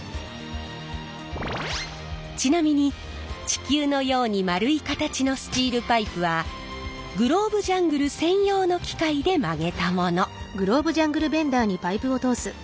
ちなみに地球のように丸い形のスチールパイプはグローブジャングル専用の機械で曲げたもの。